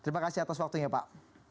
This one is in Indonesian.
terima kasih atas waktunya pak